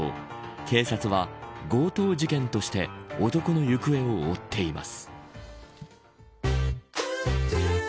警察は、強盗事件として男の行方を追っています。